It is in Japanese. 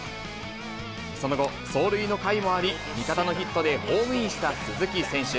その後、走塁のかいもあり、味方のヒットでホームインした鈴木選手。